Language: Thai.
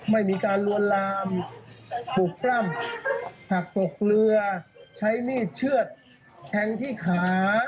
ไม่มีการลวนลามปลูกปล้ำหักตกเรือใช้มีดเชื่อดแทงที่ขา